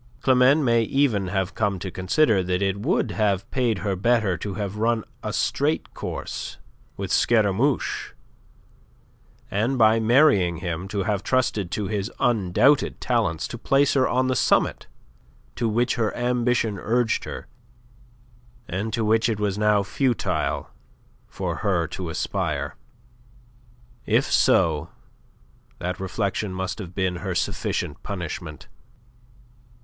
Climene may even have come to consider that it would have paid her better to have run a straight course with Scaramouche and by marrying him to have trusted to his undoubted talents to place her on the summit to which her ambition urged her, and to which it was now futile for her to aspire. If so, that reflection must have been her sufficient punishment.